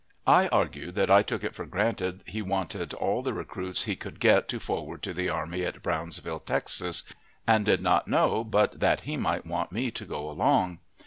I argued that I took it for granted he wanted all the recruits he could get to forward to the army at Brownsville, Texas; and did not know but that he might want me to go along.